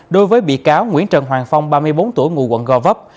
đối với bị cáo nguyễn trần hoàng phong ba mươi bốn tuổi ngụ quận gò vấp